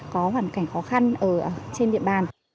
có hoàn cảnh khó khăn trên địa bàn